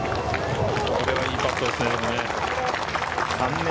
これはいいパットですね。